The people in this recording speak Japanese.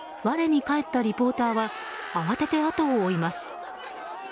我に返ったリポーターは慌てて後を追います。